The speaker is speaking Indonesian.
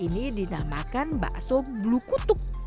ini dinamakan bakso blue kutuk